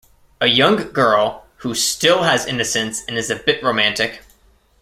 A young girl who still has innocence and is a bit romantic.